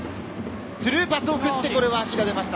スルーパスを送って、これは足が出ました。